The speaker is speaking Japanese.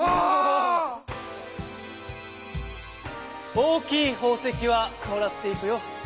おおきいほうせきはもらっていくよ。